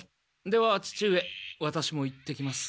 では父上ワタシも行ってきます。